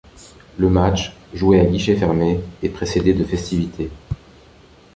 Le match, joué à guichets fermés, est précédé de festivités.